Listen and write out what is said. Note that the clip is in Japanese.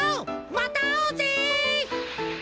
またあおうぜ！